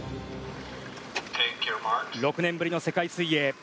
６年ぶりの世界水泳。